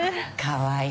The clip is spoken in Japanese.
かわいい！